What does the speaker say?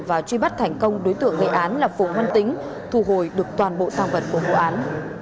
và truy bắt thành công đối tượng gây án là phùng văn tính thu hồi được toàn bộ tăng vật của vụ án